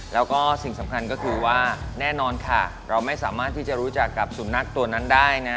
แล้วก็สิ่งสำคัญก็คือว่าแน่นอนค่ะเราไม่สามารถที่จะรู้จักกับสุนัขตัวนั้นได้นะ